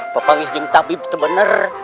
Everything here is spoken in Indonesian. papa ngisjung tapi betul bener